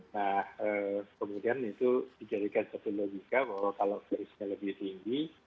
nah kemudian itu dijadikan satu logika bahwa kalau virusnya lebih tinggi